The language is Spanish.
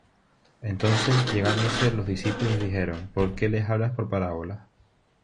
Entonces, llegándose los discípulos, le dijeron: ¿Por qué les hablas por parábolas?